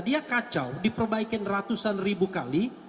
dia kacau diperbaikin ratusan ribu kali